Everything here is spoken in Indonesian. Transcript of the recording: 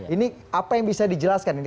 ini apa yang bisa dijelaskan ini